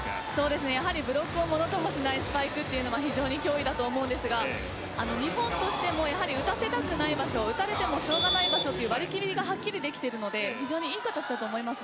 ブロックをものともしないスパイクは強力だと思いますが日本としても打たせたくない場所を打たれてもしょうがない場所と割り切りがはっきりできているので非常にいい形だと思います。